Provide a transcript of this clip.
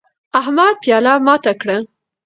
احمد پیاله ماته کړه